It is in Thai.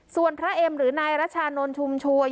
ส่วนพระเอ็มหรือนายรัชานนท์ชุมชวน